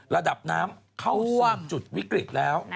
ระดับน้ำเข้าซอกจุดวิกฤตแล้ว